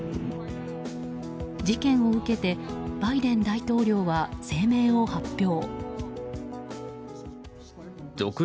事件を受けてバイデン大統領は声明を発表。